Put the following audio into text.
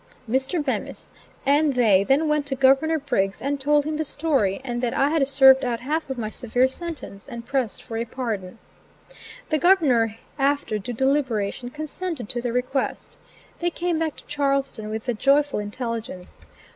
Mr. Bemis and they then went to Governor Briggs, and told him the story, and that I had served out half of my severe sentence, and pressed for a pardon. The Governor after due deliberation consented to their request. They came back to Charlestown with the joyful intelligence.